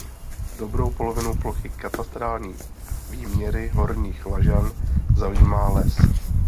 Dobrou polovinu plochy katastrální výměry Horních Lažan zaujímá les.